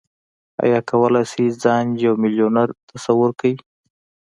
ايا کولای شئ ځان يو ميليونر تصور کړئ؟